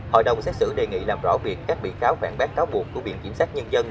hội đồng xét xử đề nghị làm rõ việc các bị cáo phản bác cáo buộc của viện kiểm sát nhân dân